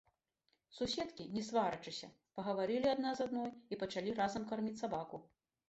Суседкі, не сварачыся, пагаварылі адна з адной і пачалі разам карміць сабаку.